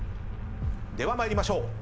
では参りましょう。